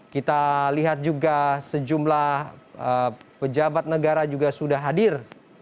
kita lihat juga sejumlah pejabat negara juga sudah hadir